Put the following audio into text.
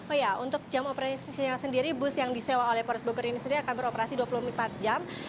oh iya untuk jam operasinya sendiri bus yang disewa oleh polres bogor ini sendiri akan beroperasi dua puluh empat jam